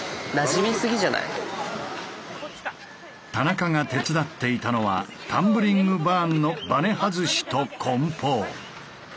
田中が手伝っていたのはタンブリングバーンのバネ外しとこん包。